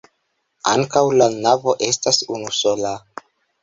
Ankaŭ la navo estas unusola.